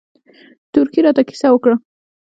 تورکي راته کيسه وکړه.